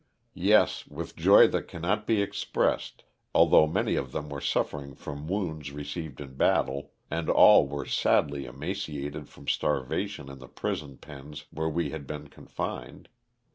Yes, with joy that cannot be ex pressed, although many of them were suffering from wounds received in battle, and all were sadly ema ciated from starvation in the prison pens where we had been confined.